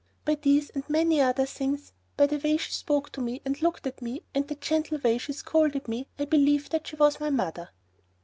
By these and many other things, by the way she spoke to me and looked at me, and the gentle way she scolded me, I believed that she was my mother.